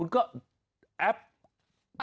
ก็แอปแบบ